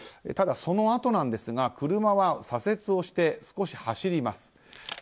ただそのあと、車は左折をして少し走ります。